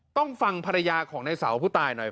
ต้องฟังภรรยาของในเสาผู้ตายหน่อย